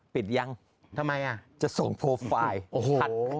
ปิดยังทำไมอ่ะจะส่งโปรไฟล์โอ้โห